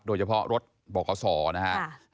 โดยเฉพาะรถบขนะครับ